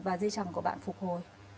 và dây chẳng của bạn phục hồi